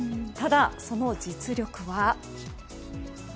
ただ、その実力は。